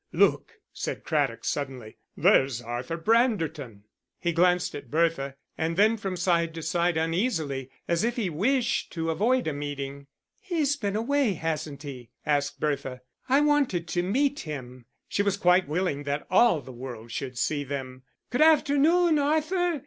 "Look," said Craddock, suddenly. "There's Arthur Branderton." He glanced at Bertha, then from side to side uneasily, as if he wished to avoid a meeting. "He's been away, hasn't he?" asked Bertha. "I wanted to meet him." She was quite willing that all the world should see them. "Good afternoon, Arthur!"